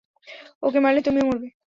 ওকে মারলে, তুমিও মরবে।